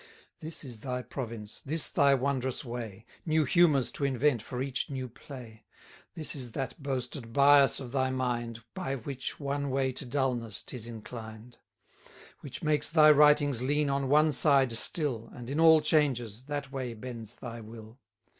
This is thy province, this thy wondrous way, New humours to invent for each new play: This is that boasted bias of thy mind, By which one way to dulness 'tis inclined: 190 Which makes thy writings lean on one side still, And, in all changes, that way bends thy will.